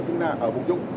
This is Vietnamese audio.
chúng ta ở vùng trung